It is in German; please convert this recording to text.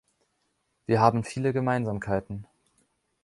Wir haben viele Gemeinsamkeiten.